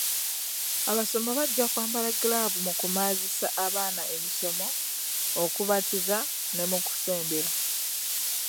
Abasumba bajja kwambala giraavuzi mu kumazisa abaana emisomo, okubatiza ne mu kusembera.